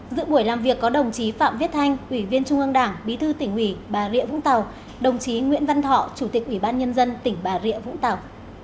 dự buổi làm việc có đồng chí phạm viết thanh ủy viên trung ương đảng bí thư tỉnh ủy bà rịa vũng tàu đồng chí nguyễn văn thọ chủ tịch ủy ban nhân dân tỉnh bà rịa vũng tàu